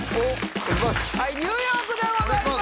ニューヨークでございます